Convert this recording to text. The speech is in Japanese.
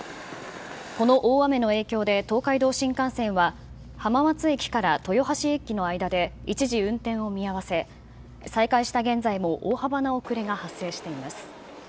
この大雨の影響で東海道新幹線は浜松駅から豊橋駅の間で一時運転を見合わせ、再開した現在も、大幅な遅れが発生しています。